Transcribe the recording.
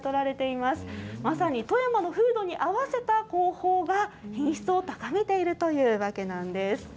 まさに富山の風土に合わせた工法が、品質を高めているというわけなんです。